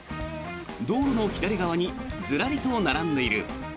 道路の左側にずらりと並んでいる。